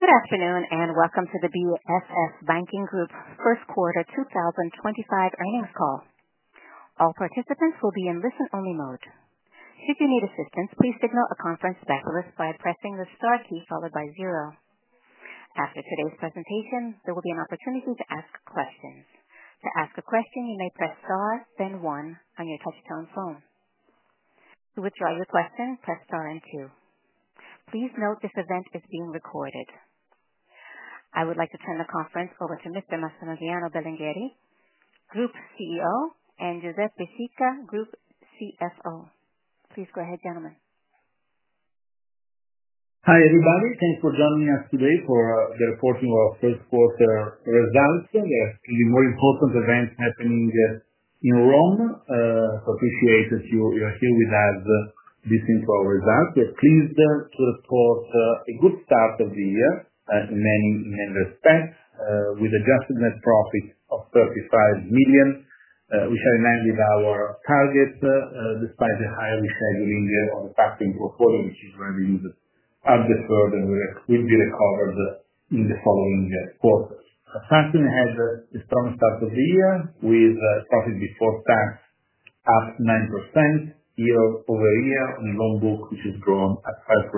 Good afternoon and welcome to the BFF Banking Group First Quarter 2025 earnings call. All participants will be in listen-only mode. Should you need assistance, please signal a conference specialist by pressing the star key followed by zero. After today's presentation, there will be an opportunity to ask questions. To ask a question, you may press star, then one on your touch-tone phone. To withdraw your question, press star and two. Please note this event is being recorded. I would like to turn the conference over to Mr. Massimiliano Belingheri, Group CEO, and Giuseppe Sica, Group CFO. Please go ahead, gentlemen. Hi everybody. Thanks for joining us today for the reporting of our first quarter results. There are three more important events happening in Rome. I appreciate that you are here with us listening to our results. We are pleased to report a good start of the year in many respects, with adjusted net profit of 35 million, which aligns with our target despite the high rescheduling on the factoring portfolio, which is where we are deferred and will be recovered in the following quarters. Factoring had a strong start of the year with profit before tax up 9% year-over-year on loan book, which has grown at 5%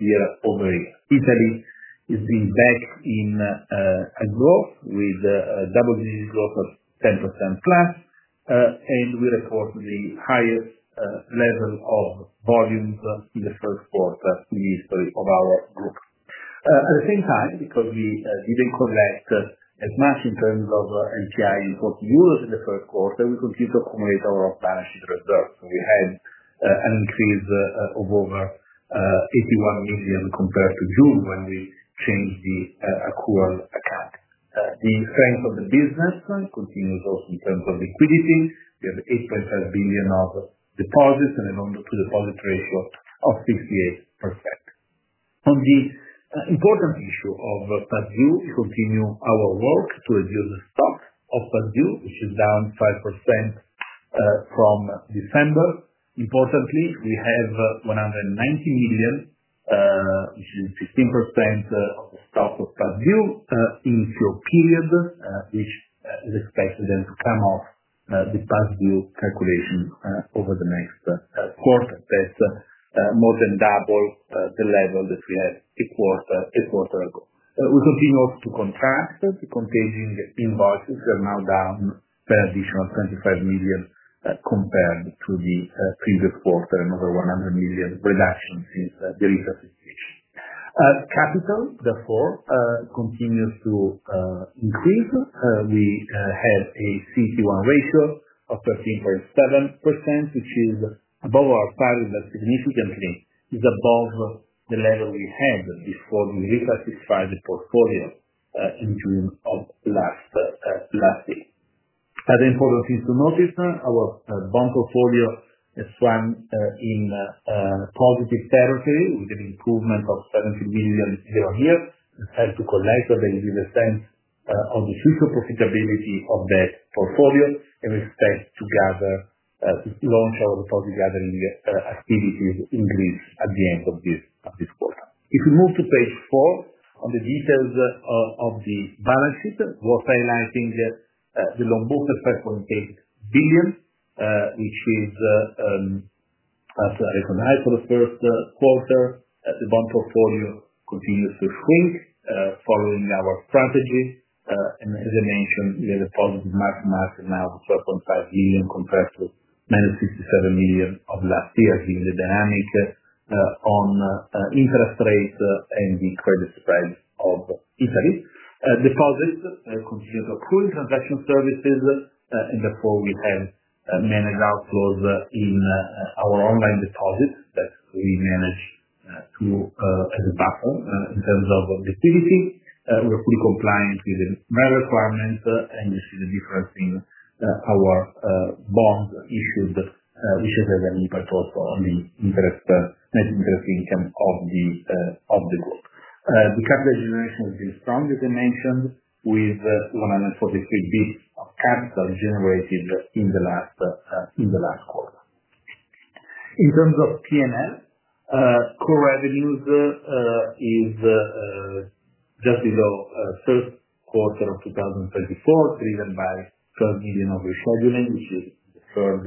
year-over-year. Italy is being back in growth with a double-digit growth of 10%+, and we report the highest level of volumes in the first quarter in the history of our group. At the same time, because we did not collect as much in terms of NPI in EUR 40 million in the first quarter, we continue to accumulate our balance sheet reserves. We had an increase of over 81 million compared to June when we changed the accrual account. The strength of the business continues also in terms of liquidity. We have 8.5 billion of deposits and a loan-to-deposit ratio of 68%. On the important issue of past due, we continue our work to reduce the stock of past due, which is down 5% from December. Importantly, we have 190 million, which is 15% of the stock of past due in the full periods, which is expected then to come off the past due calculation over the next quarter. That is more than double the level that we had a quarter ago. We continue also to contract. The contagion invoices are now down by an additional 25 million compared to the previous quarter, another 100 million reduction since the recent situation. Capital, therefore, continues to increase. We have a CET1 ratio of 13.7%, which is above our target, but significantly is above the level we had before we reclassified the portfolio in June of last year. Other important things to note: our bond portfolio swung in positive territory with an improvement of 70 million euro year-on-year. We had to collect a very good sense of the future profitability of that portfolio and we expect to launch our deposit gathering activities in Greece at the end of this quarter. If we move to page four on the details of the balance sheet, worth highlighting the loan book at 5.8 billion, which is as recognized for the first quarter. The bond portfolio continues to shrink following our strategy. As I mentioned, we have a positive market margin now of 12.5 million compared to -67 million of last year, given the dynamic on interest rates and the credit spread of Italy. Deposits continue to accrue in transaction services, and therefore we have managed outflows in our online deposits that we manage as a buffer in terms of liquidity. We are fully compliant with the MREL requirements, and you see the difference in our bonds issued, which has a very big impact also on the net interest income of the group. The capital generation has been strong, as I mentioned, with 143 bips of capital generated in the last quarter. In terms of P&L, core revenues is just below first quarter of 2024, driven by 12 million of rescheduling, which is the third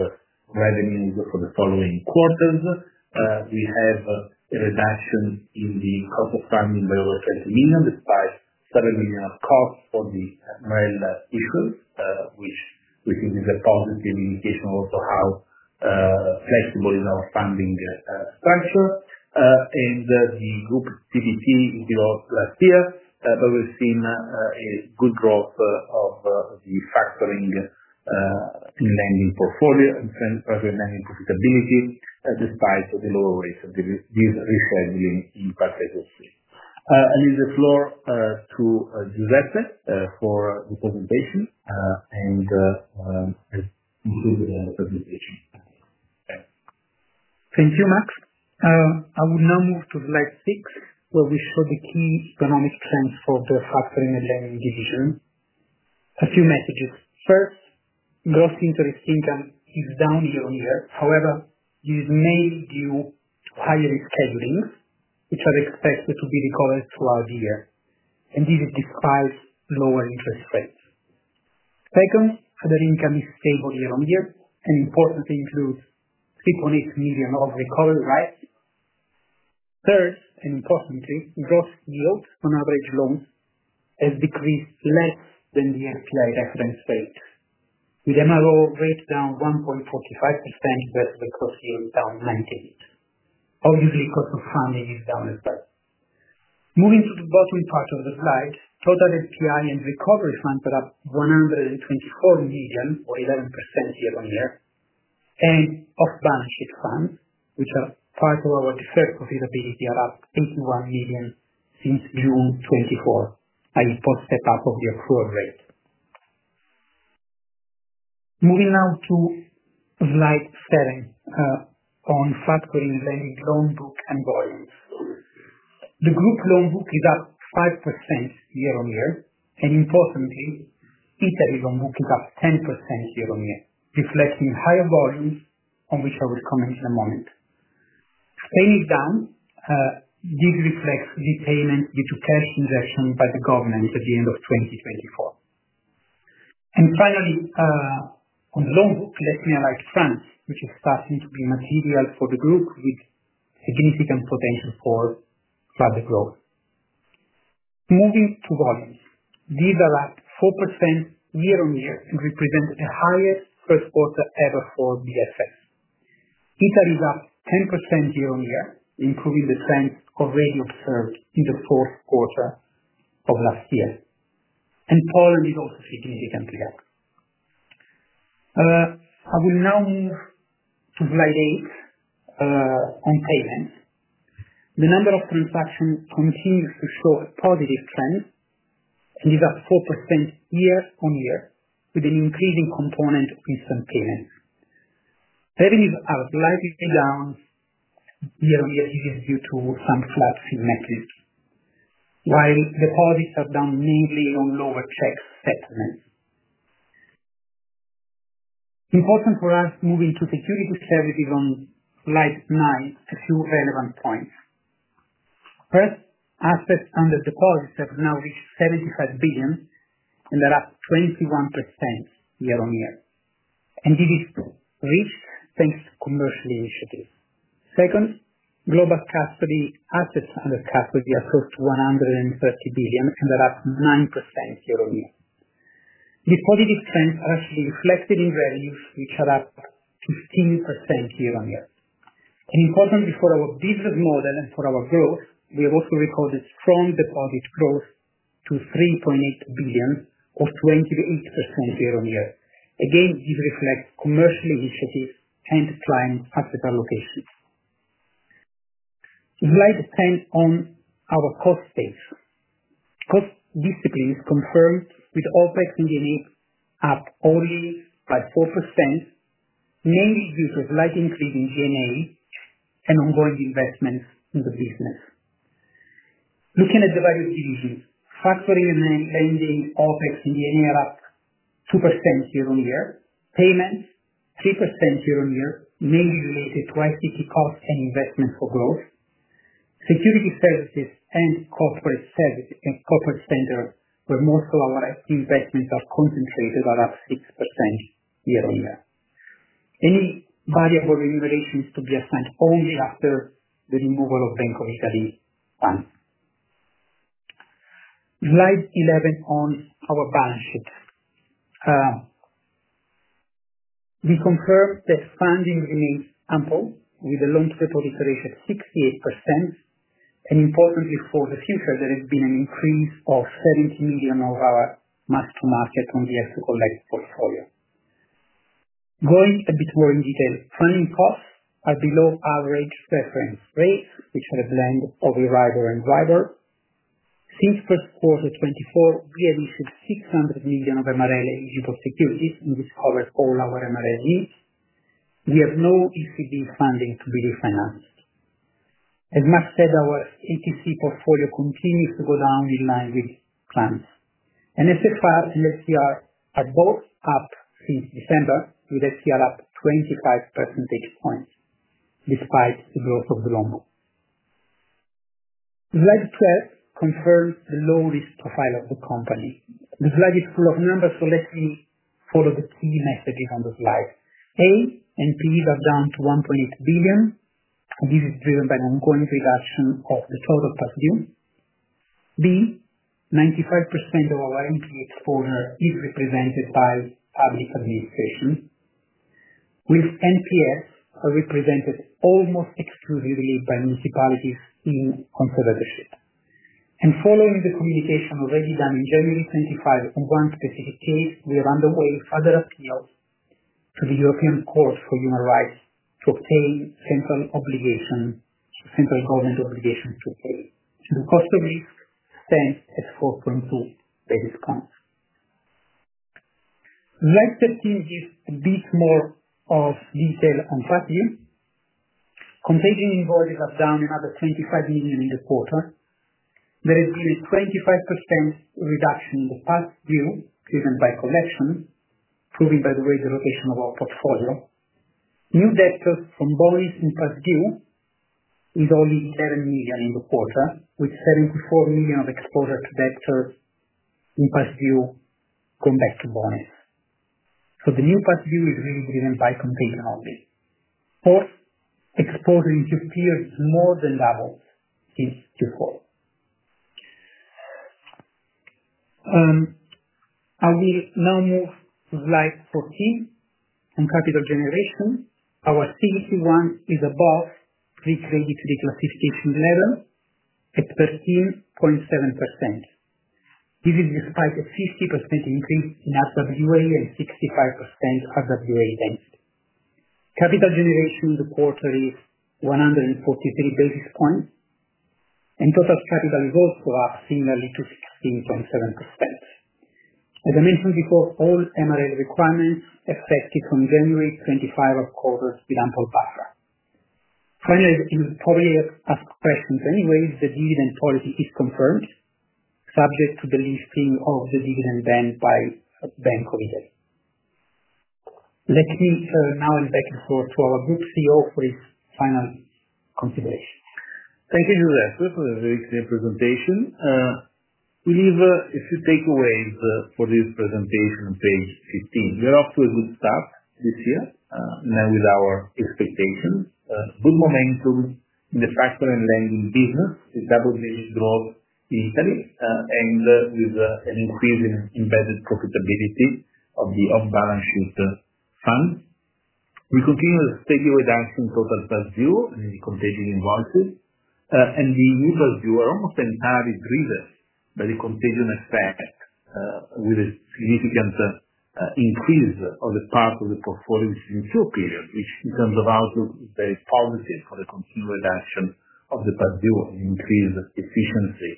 revenue for the following quarters. We have a reduction in the cost of funding by over EUR 20 million, despite EUR 7 million of cost for the MREL issuance, which we think is a positive indication of also how flexible our funding structure is. The group's PBT is below last year, but we've seen a good growth of the factoring and lending portfolio and factoring and lending profitability, despite the lower rates of rescheduling in parts of the stream. I leave the floor to Giuseppe for the presentation and include the presentation. Thank you, Max. I will now move to slide six, where we show the key economic trends for the Factoring & Lending division. A few messages. First, gross interest income is down year-on-year. However, this is mainly due to higher reschedulings, which are expected to be recovered throughout the year. This is despite lower interest rates. Second, other income is stable year-on-year, and importantly, includes 3.8 million of recovered rights. Third, and importantly, gross yield on average loans has decreased less than the FPI reference rate, with MRO rate down 1.45% versus the gross yield down 98 basis points. Obviously, cost of funding is down as well. Moving to the bottom part of the slide, total FPI and recovery funds are up 124 million, or 11% year-on-year. Off-balance sheet funds, which are part of our deferred profitability, are up 81 million since June 2024, that is, post step-up of the accrual rate. Moving now to slide seven on factoring and lending loan book and volumes. The group loan book is up 5% year-on-year. Importantly, Italy's loan book is up 10% year-on-year, reflecting higher volumes, on which I will comment in a moment. Spain is down. This reflects the payment due to cash injection by the government at the end of 2024. Finally, on the loan book, let's highlight France, which is starting to be material for the group, with significant potential for further growth. Moving to volumes, these are up 4% year-on-year and represent a higher first quarter ever for BFF. Italy is up 10% year-on-year, improving the trends already observed in the fourth quarter of last year. Poland is also significantly up. I will now move to slide eight on payments. The number of transactions continues to show a positive trend and is up 4% year-on-year, with an increasing component of instant payments. Revenues are slightly down year-on-year due to some flat fee metrics, while deposits are down mainly on lower check settlements. Important for us, moving to security services on slide nine, a few relevant points. First, assets under deposits have now reached 75 billion and are up 21% year-on-year. This is reached thanks to commercial initiatives. Second, global custody assets under custody are close to 130 billion and are up 9% year-on-year. These positive trends are actually reflected in revenues, which are up 15% year-on-year. Importantly, for our business model and for our growth, we have also recorded strong deposit growth to 3.8 billion, or 28% year-on-year. This reflects commercial initiatives and client asset allocations. Slide 10 on our cost space. Cost discipline is confirmed with OpEx and GNA up only by 4%, mainly due to a slight increase in GNA and ongoing investments in the business. Looking at the various divisions, Factoring & Lending OpEx and GNA are up 2% year-on-year. Payments 3% year-on-year, mainly related to ICT costs and investments for growth. Securities Services and corporate centers, where most of our investments are concentrated, are up 6% year-on-year. Any variable remuneration is to be assigned only after the removal of Bank of Italy funds. Slide 11 on our balance sheet. We confirm that funding remains ample, with a loan-to-deposit ratio of 68%. Importantly, for the future, there has been an increase of 70 million of our mark-to-market on the exit-collect portfolio. Going a bit more in detail, funding costs are below average reference rates, which are a blend of Euribor and Driver. Since first quarter 2024, we have issued 600 million of MREL-eligible securities, and this covers all our MREL needs. We have no ECB funding to be refinanced. As Max said, our ETC portfolio continues to go down in line with plans. SFR and SCR are both up since December, with SCR up 25 percentage points despite the growth of the loan book. Slide 12 confirms the low-risk profile of the company. The slide is full of numbers, so let me follow the key messages on the slide. A, NPEs are down to 1.8 billion. This is driven by an ongoing reduction of the total past due. B, 95% of our NPE exposure is represented by public administration, with NPEs represented almost exclusively by municipalities in conservatorship. Following the communication already done in January 2025 on one specific case, we are underway with further appeals to the European Court for Human Rights to obtain central government obligations to pay. The cost of risk stands at 4.2 basis points. Slide 13 gives a bit more of detail on past due. Contagion invoices are down another 25 million in the quarter. There has been a 25% reduction in the past due driven by collection, proven, by the way, the rotation of our portfolio. New debtors from bonus in past due is only 11 million in the quarter, with 74 million of exposure to debtors in past due going back to bonus. The new past due is really driven by contagion only. Fourth, exposure in Q4 is more than doubled since Q4. I will now move to slide 14 on capital generation. Our CET1 is above pre-credit reclassification level at 13.7%. This is despite a 50% increase in RWA and 65% RWA density. Capital generation in the quarter is 143 basis points, and total capital is also up similarly to 16.7%. As I mentioned before, all MREL requirements affected from January 2025 of quarters with ample buffer. Finally, you probably ask questions anyway, the dividend policy is confirmed, subject to the listing of the dividend bank by Bank of Italy. Let me now hand back the floor to our Group CEO for his final consideration. Thank you, Giuseppe. This was a very clear presentation. We leave a few takeaways for this presentation on page 15. We are off to a good start this year, now with our expectations. Good momentum in the factoring and lending business, with double-digit growth in Italy, and with an increase in embedded profitability of the off-balance sheet funds. We continue the steady reduction in total past due and the contagion invoices. The new past due are almost entirely driven by the contagion effect, with a significant increase of the part of the portfolio which is in full period, which in terms of outlook is very positive for the continued reduction of the past due and increased efficiency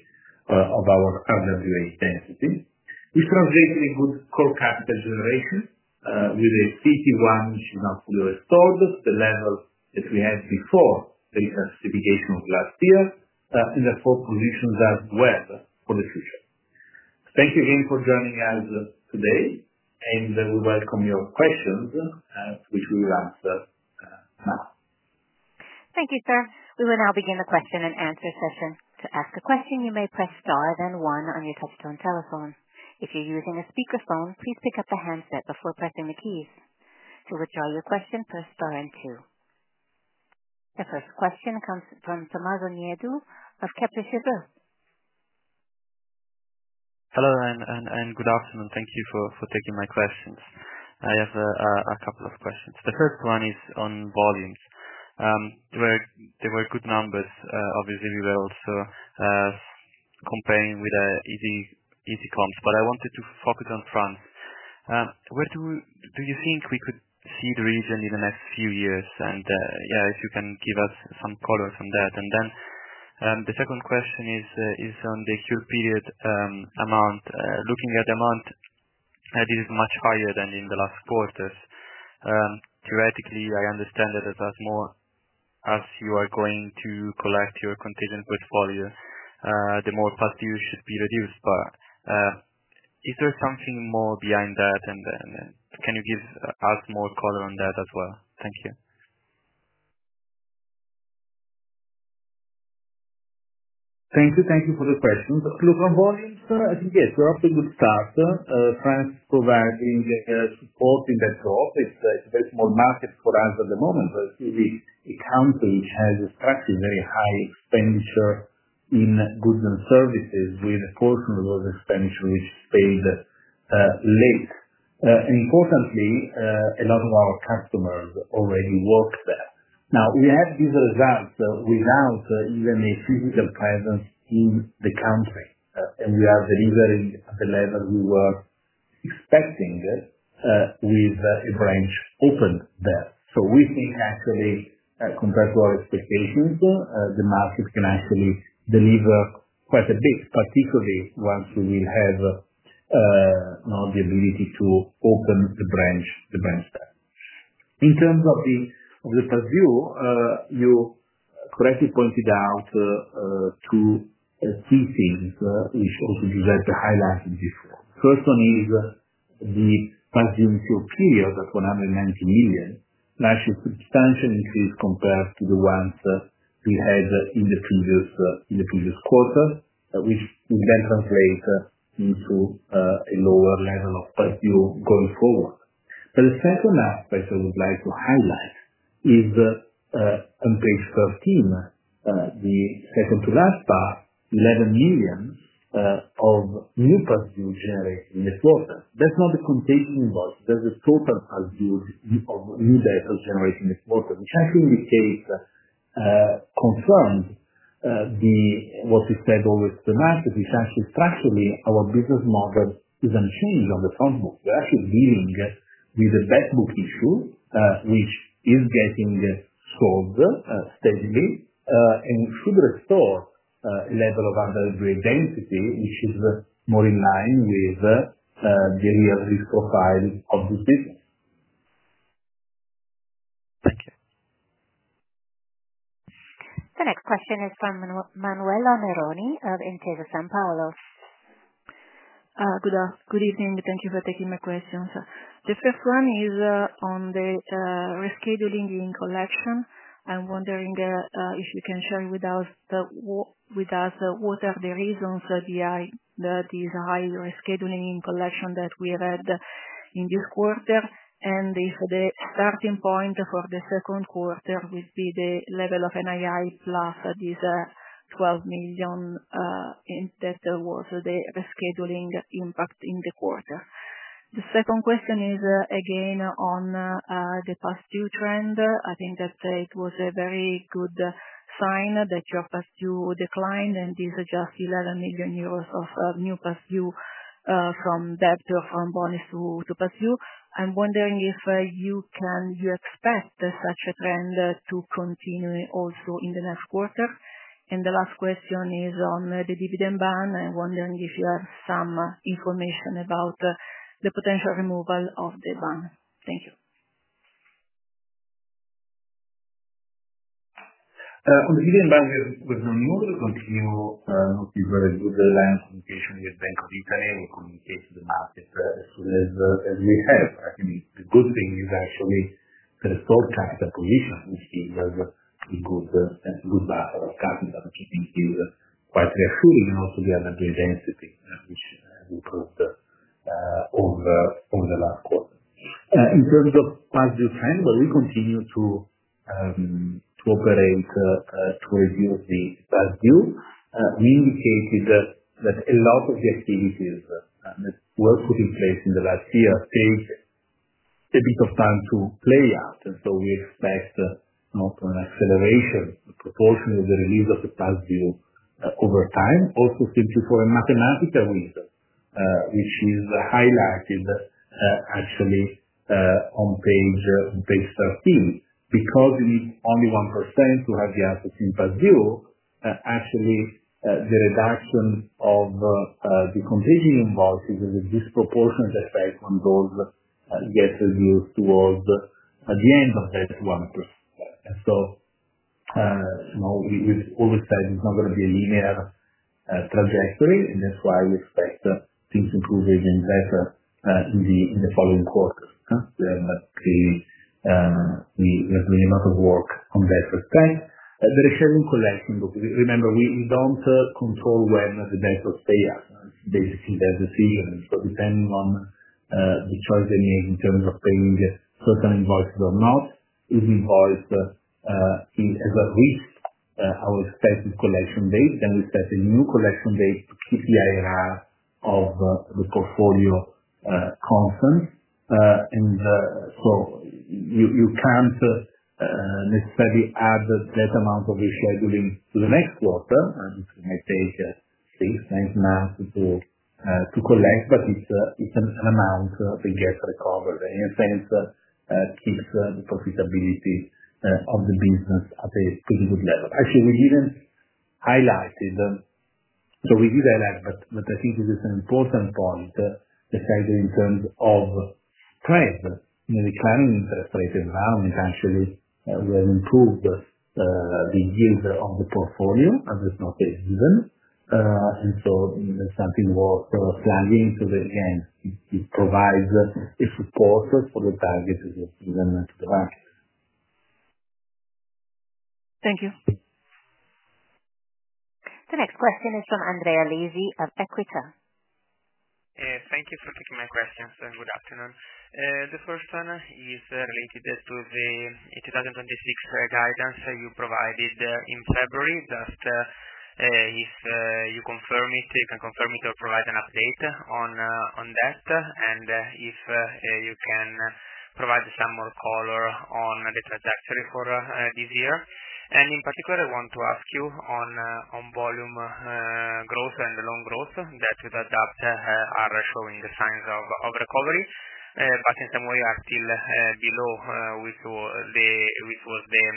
of our RWA density. We've translated a good core capital generation with a CET1 which is now fully restored to the level that we had before the reclassification of last year, and therefore positions us well for the future. Thank you again for joining us today, and we welcome your questions, which we will answer now. Thank you, sir. We will now begin the question-and answer session. To ask a question, you may press star then one on your touchstone telephone. If you're using a speakerphone, please pick up the handset before pressing the keys. To withdraw your question, press star and two. The first question comes from Tommaso Nieddu of Kepler Cheuvreux. Hello, and good afternoon. Thank you for taking my questions. I have a couple of questions. The first one is on volumes. There were good numbers. Obviously, we were also comparing with the easy comps, but I wanted to focus on France. Where do you think we could see the region in the next few years? Yeah, if you can give us some colors on that. The second question is on the accrual period amount. Looking at the amount, this is much higher than in the last quarters. Theoretically, I understand that as more as you are going to collect your contagion portfolio, the more past due should be reduced. Is there something more behind that? Can you give us more color on that as well? Thank you. Thank you. Thank you for the question. Looking at volumes, I think, yes, we're off to a good start. France is providing support in that growth. It's a very small market for us at the moment, but it's really a country which has struck a very high expenditure in goods and services, with a portion of those expenditures which is paid late. Importantly, a lot of our customers already work there. Now, we have these results without even a physical presence in the country. We are delivering at the level we were expecting, with a branch opened there. We think, actually, compared to our expectations, the market can actually deliver quite a bit, particularly once we will have now the ability to open the branch there. In terms of the past due, you correctly pointed out two key things, which also Giuseppe highlighted before. The first one is the past due in full period at 190 million. That is a substantial increase compared to the ones we had in the previous quarter, which will then translate into a lower level of past due going forward. The second aspect I would like to highlight is on page 13, the second to last part, 11 million of new past due generated in the quarter. That is not the contagion invoice. That is the total past due of new debtors generated in the quarter, which actually indicates, confirmed what we said always to the market, which actually structurally our business model is unchanged on the front book. We are actually dealing with a backbook issue, which is getting solved steadily, and should restore a level of undergrade density, which is more in line with the real risk profile of this business. Thank you. The next question is from Manuela Meroni of Intesa Sanpaolo. Good afternoon. Good evening. Thank you for taking my questions. The first one is on the rescheduling in collection. I'm wondering if you can share with us what are the reasons behind this high rescheduling in collection that we read in this quarter, and if the starting point for the second quarter would be the level of NII plus these 12 million that was the rescheduling impact in the quarter. The second question is again on the past due trend. I think that it was a very good sign that your past due declined, and these are just 11 million euros of new past due from debtor from bonus to past due. I'm wondering if you expect such a trend to continue also in the next quarter. The last question is on the dividend ban. I'm wondering if you have some information about the potential removal of the ban. Thank you. On the dividend ban, we have no news to continue. We've got a good line of communication with Bank of Italy. We communicate to the market as soon as we have. I think the good thing is actually the restored capital position, which gave us a good buffer of capital, which I think is quite reassuring, and also the undergrade density, which we improved over the last quarter. In terms of past due trend, we continue to operate to reduce the past due. We indicated that a lot of the activities that were put in place in the last year take a bit of time to play out. I think we expect an acceleration proportion of the release of the past due over time, also simply for a mathematical reason, which is highlighted actually on page 13. Because you need only 1% to have the assets in past due, actually the reduction of the contagion invoices is a disproportionate effect when those get reduced towards the end of that 1%. We have always said it is not going to be a linear trajectory, and that is why we expect things to improve even better in the following quarter. We have a lot of work on that aspect. The rescheduling collection, remember, we do not control when the debtors pay us. It is basically their decision. Depending on the choice they make in terms of paying certain invoices or not, if the invoice is at least our expected collection date, then we set a new collection date to keep the IRR of the portfolio constant. You cannot necessarily add that amount of rescheduling to the next quarter, which may take 6-9 months to collect, but it is an amount that gets recovered. In a sense, it keeps the profitability of the business at a pretty good level. Actually, we did not highlight it. We did highlight, but I think this is an important point, the fact that in terms of spread in the recurring interest rate environment, we have improved the yield of the portfolio, as it is not a given. It is something worth flagging. Again, it provides a support for the target that is given to the market. Thank you. The next question is from Andrea Lisi of Equita. Thank you for taking my questions. Good afternoon. The first one is related to the 2026 guidance you provided in February. Just if you confirm it, you can confirm it or provide an update on that, and if you can provide some more color on the trajectory for this year. In particular, I want to ask you on volume growth and loan growth that are showing the signs of recovery, but in some way are still below which was the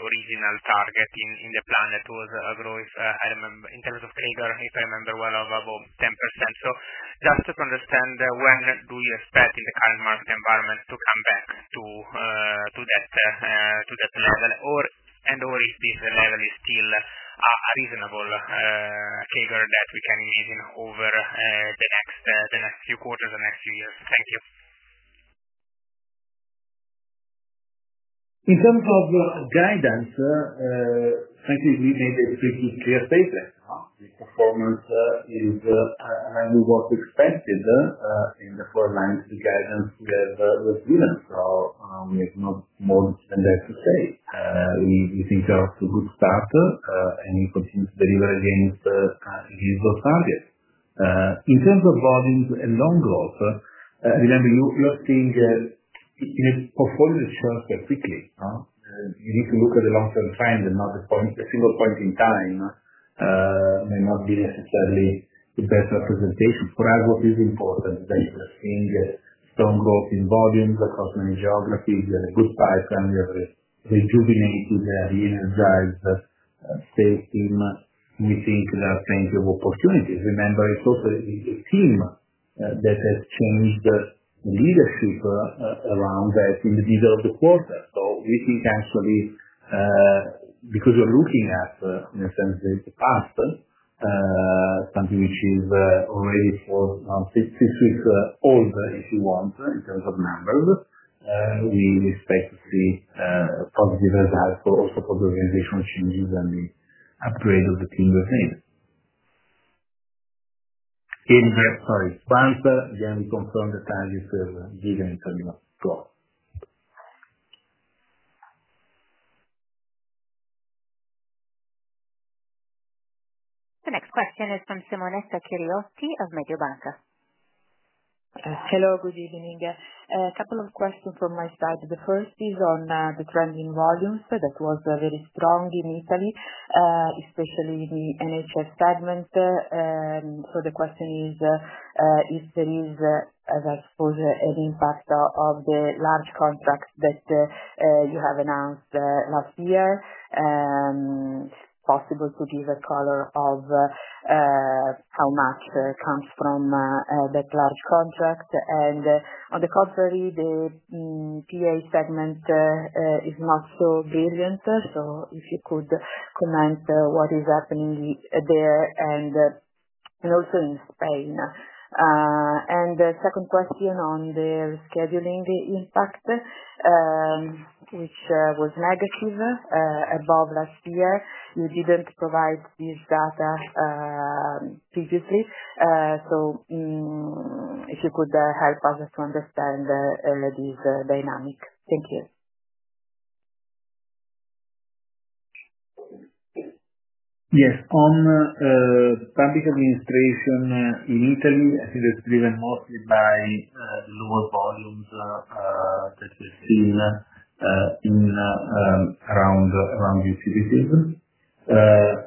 original target in the plan that was a growth, in terms of CAGR, if I remember well, of about 10%. Just to understand, when do you expect in the current market environment to come back to that level, and/or if this level is still a reasonable CAGR that we can imagine over the next few quarters, the next few years? Thank you. In terms of guidance, frankly, we made a pretty clear statement. The performance is highly well-expected in the four-month guidance we have given. We have no more than that to say. We think we are off to a good start, and we continue to deliver against these growth targets. In terms of volumes and loan growth, remember, you are seeing in a portfolio that shows quite quickly. You need to look at the long-term trend, and not a single point in time may not be necessarily the best representation. For us, what is important is that we are seeing strong growth in volumes across many geographies. We have a good pipeline. We have a rejuvenated, re-energized sales team. We think there are plenty of opportunities. Remember, it is also a team that has changed the leadership around that in the middle of the quarter. We think actually, because we're looking at, in a sense, the past, something which is already six weeks old, if you want, in terms of numbers, we expect to see positive results also for the organizational changes and the upgrade of the team we've made. Sorry. Advance. Again, we confirm the targets we have given in terms of growth. The next question is from Simonetta Chiriotti of Mediobanca. Hello, good evening. A couple of questions from my side. The first is on the trend in volumes that was very strong in Italy, especially in the NHS segment. The question is, if there is, as I suppose, an impact of the large contracts that you have announced last year, possible to give a color of how much comes from that large contract? On the contrary, the PA segment is not so brilliant. If you could comment what is happening there and also in Spain. The second question on the rescheduling impact, which was negative above last year. You did not provide this data previously. If you could help us to understand this dynamic. Thank you. Yes. On public administration in Italy, I think that's driven mostly by the lower volumes that we've seen around utilities.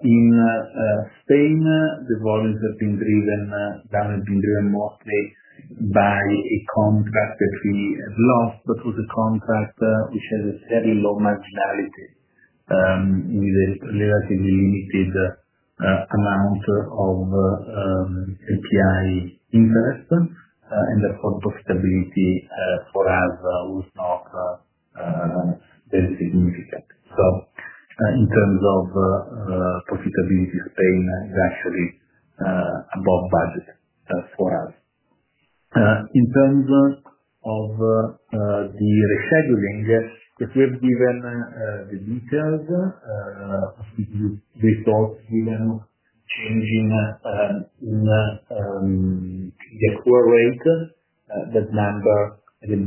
In Spain, the volumes have been driven down, have been driven mostly by a contract that we have lost, but was a contract which has a fairly low marginality with a relatively limited amount of API interest. Therefore, profitability for us was not very significant. In terms of profitability, Spain is actually above budget for us. In terms of the rescheduling, if we have given the details, we've also given changing in the accrual rate, that number, the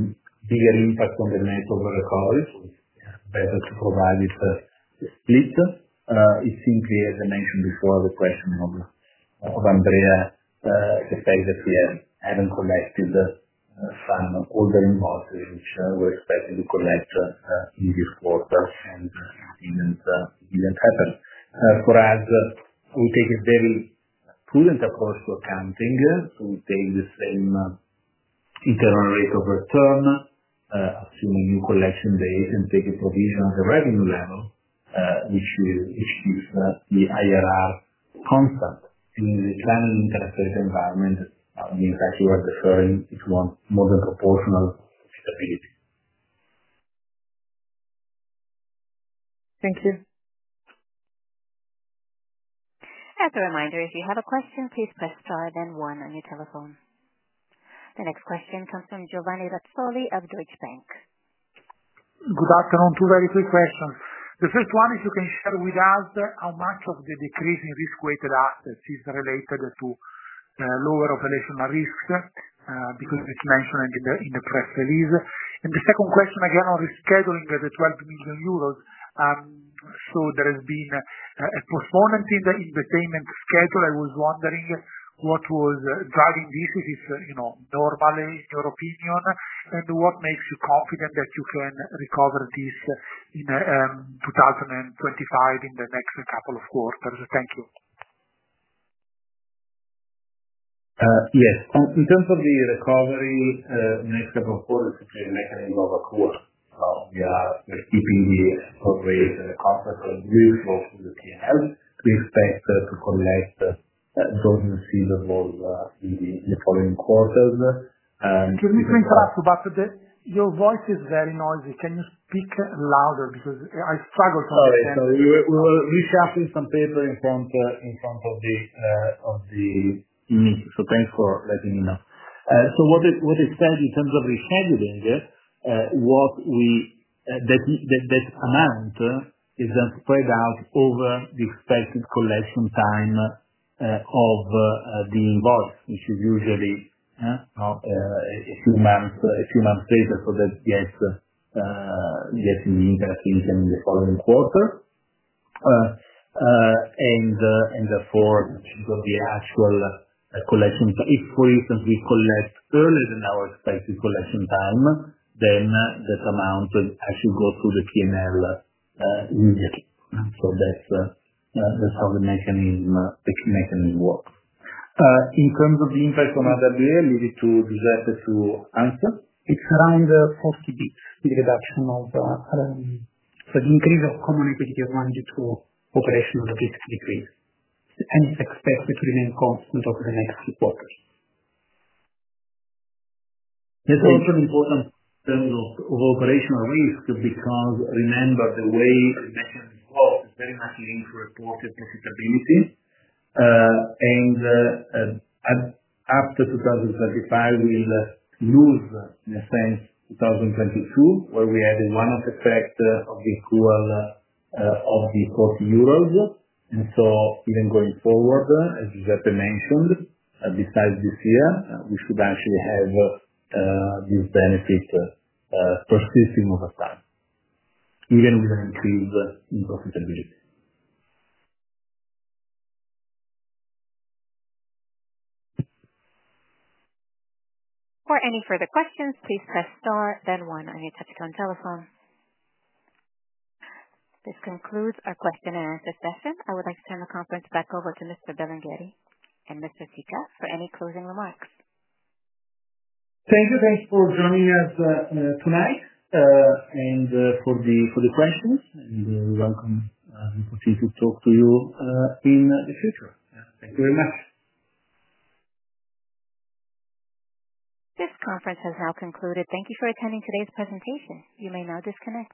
bigger impact on the net overall recovery, so it's better to provide it split. It's simply, as I mentioned before, the question of Andrea's effect that we haven't collected some older invoices which we're expected to collect in this quarter, and it didn't happen. For us, we take a very prudent approach to accounting. So we take the same internal rate of return, assume a new collection date, and take a provision on the revenue level, which keeps the IRR constant. In the recurring interest rate environment, it means actually we're deferring it more than proportional to profitability. Thank you. As a reminder, if you have a question, please press star then one on your telephone. The next question comes from Giovanni Razzoli of Deutsche Bank. Good afternoon. Two very quick questions. The first one is, if you can share with us how much of the decrease in risk-weighted assets is related to lower operational risks, because it's mentioned in the press release. The second question, again, on rescheduling the 12 million euros. There has been a postponement in the payment schedule. I was wondering what was driving this, if it's normal in your opinion, and what makes you confident that you can recover this in 2025 in the next couple of quarters. Thank you. Yes. In terms of the recovery, next couple of quarters is really a mechanism of accrual. We are keeping the accrual rate constant and very close to the P&L. We expect to collect those receivables in the following quarters. Just to interrupt you, but your voice is very noisy. Can you speak louder? Because I struggle to understand. Sorry. We were reaching out with some paper in front of the meeting. Thanks for letting me know. What I said, in terms of rescheduling, that amount is then spread out over the expected collection time of the invoice, which is usually a few months later, so that gets in the interest rate in the following quarter. Therefore, the actual collection. If, for instance, we collect earlier than our expected collection time, then that amount actually goes to the P&L immediately. That is how the mechanism works. In terms of the impact on RWA, leave it to Giuseppe to answer. It's around 40 basis points in the reduction of, so the increase of common equity is rounded to operational risk decrease. And it's expected to remain constant over the next few quarters. That's also important in terms of operational risk, because remember, the way the mechanism works is very much linked to reported profitability. After 2025, we'll lose, in a sense, 2022, where we had one-off effect of the accrual of the 40 euros. Even going forward, as Giuseppe mentioned, besides this year, we should actually have this benefit persisting over time, even with an increase in profitability. For any further questions, please press star then one on your touch-tone telephone. This concludes our question-and-answer session. I would like to turn the conference back over to Mr. Belingheri and Mr. Sica for any closing remarks. Thank you. Thanks for joining us tonight and for the questions. We welcome the opportunity to talk to you in the future. Thank you very much. This conference has now concluded. Thank you for attending today's presentation. You may now disconnect.